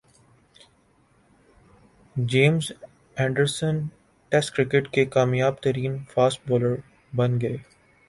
James Anderson test cricket کے کامیاب ترین فاسٹ بالر بن گئے